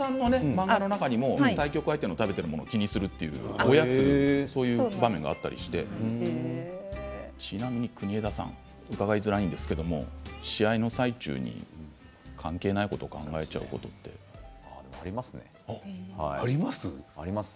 渡辺さんの漫画の時も対局相手のおやつを気にするという場面があったりしてちなみに国枝さん伺いづらいんですけども試合の最中に関係ないこと考えちゃうことって？ありますね。